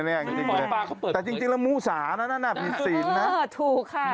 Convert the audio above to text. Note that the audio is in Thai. แต่จริงแล้วมูสานั้นน่ะผิดศีลนะทุกข้าเออถูกค่ะ